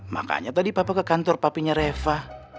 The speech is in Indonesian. makanya tadi papa ke kantor papinya reva